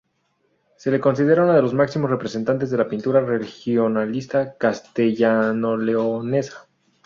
Se le considera uno de los máximos representantes de la pintura regionalista castellanoleonesa.